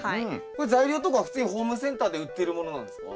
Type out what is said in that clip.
これ材料とかは普通にホームセンターで売ってるものなんですか？